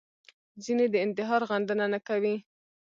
ځینې د انتحار غندنه نه کوي